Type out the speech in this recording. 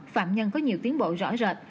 phạm nhân có nhiều tiến bộ rõ rệt